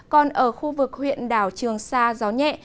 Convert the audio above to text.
còn ở khu vực huyện đảo trường sa gió nhẹ